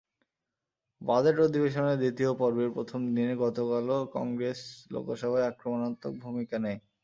Budget অধিবেশনের দ্বিতীয় পর্বের প্রথম দিনেই গতকালও কংগ্রেস লোকসভায় আক্রমণাত্মক ভূমিকা নেয়।